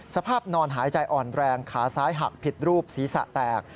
สภาพนอนหายใจอ่อนแรงขาซ้ายหักผิดรูปศีรษะแตก